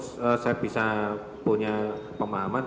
saya bisa punya pemahaman